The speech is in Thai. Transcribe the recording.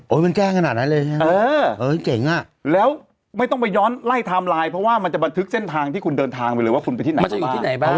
โอ้ยมันแจ้งขนาดนั้นเลยเออเออเจ๋งอ่ะแล้วไม่ต้องไปย้อนไล่ไทม์ไลน์เพราะว่ามันจะบันทึกเส้นทางที่คุณเดินทางไปเลยว่าคุณไปที่ไหนบ้าง